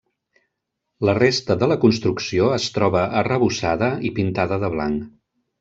La resta de la construcció es troba arrebossada i pintada de blanc.